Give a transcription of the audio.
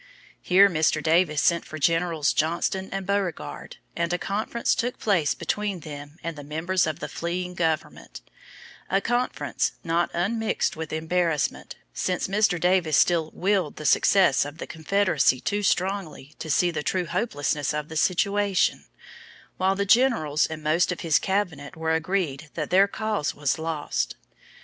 Here Mr. Davis sent for Generals Johnston and Beauregard, and a conference took place between them and the members of the fleeing government a conference not unmixed with embarrassment, since Mr. Davis still "willed" the success of the Confederacy too strongly to see the true hopelessness of the situation, while the generals and most of his cabinet were agreed that their cause was lost.